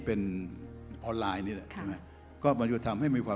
เพราะฉะนั้นเราทำกันเนี่ย